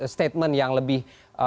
statement yang lebih